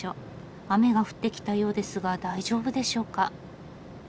雨が降ってきたようですが大丈夫でしょうか。